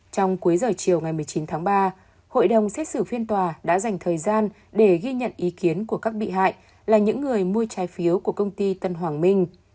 trong cuối giờ chiều ngày một mươi chín tháng ba hội đồng xét xử phiên tòa đã dành thời gian để ghi nhận ý kiến của các bị hại là những người mua trái phiếu của công ty tân hoàng minh